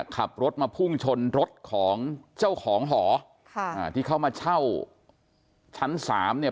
ขับรถมาพุ่งชนรถของเจ้าของหอค่ะอ่าที่เขามาเช่าชั้นสามเนี่ย